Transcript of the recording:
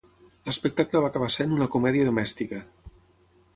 L"espectacle va acabar sent una comèdia domèstica.